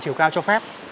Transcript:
chiều cao cho phép